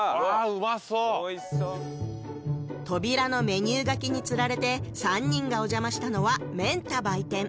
うまそう扉のメニュー書きにつられて三人がお邪魔したのは「免田売店」